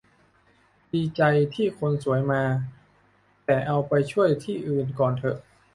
ดีใจที่คนสวยมา แต่เอาไปช่วยที่อื่นก่อนเถอะ